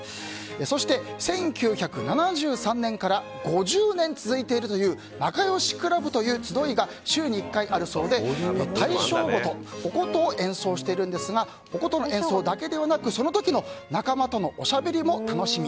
そして、１９７３年から５０年続いているという仲よしクラブという集いが週に１回あるそうで大正琴を演奏しているんですがお琴の演奏だけでなくその時の仲間とのおしゃべりも楽しみ。